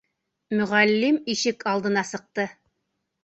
Мөғәллим ишек алдына сыҡты.